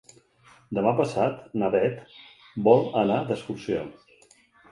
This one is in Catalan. Demà passat na Bet vol anar d'excursió.